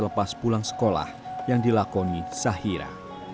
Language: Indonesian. lepas pulang sekolah yang dilakoni sahira